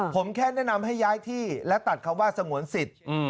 ผมแค่แนะนำให้ย้ายที่และตัดคำว่าสงวนสิทธิ์